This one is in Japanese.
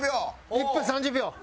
１分３０秒！